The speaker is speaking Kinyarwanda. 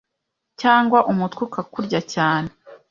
cyangwa umutwe ukakurya cyane